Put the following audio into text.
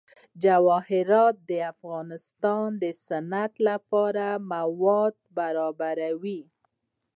جواهرات د افغانستان د صنعت لپاره مواد برابروي.